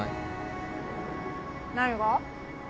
何が？